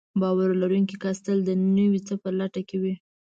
باور لرونکی کس تل د نوي څه په لټه کې وي.